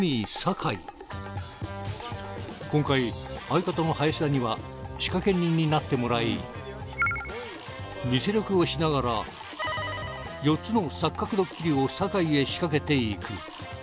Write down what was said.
今回相方の林田には仕掛け人になってもらい偽ロケをしながら４つの錯覚ドッキリを酒井へ仕掛けていく